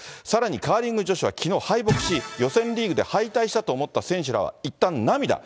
さらにカーリング女子はきのう、敗北し、予選リーグで敗退したと思った選手らはいったん涙。